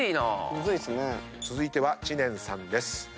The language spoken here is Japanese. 続いては知念さんです。